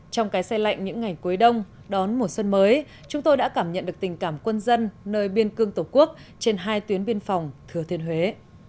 trong cái xe lạnh những ngày cuối đông đón mùa xuân mới chúng tôi đã cảm nhận được tình cảm quân dân nơi biên cương tổ quốc trên hai tuyến biên phòng thừa thiên huế